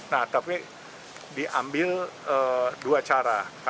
nah tapi diambil dua cara